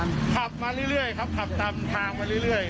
กลายทางเรื่อย